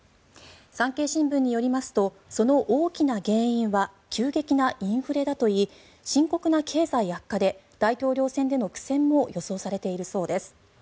産経新聞によりますとその大きな原因は急激なインフレだといい深刻な経済悪化で大統領選での苦戦も予想されているそうです。